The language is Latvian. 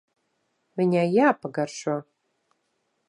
Viņai jāpagaršo.